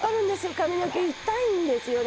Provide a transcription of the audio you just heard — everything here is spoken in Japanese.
髪の毛痛いんですよね